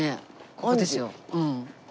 ここですようん。